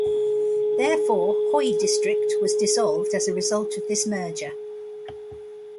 Therefore, Hoi District was dissolved as a result of this merger.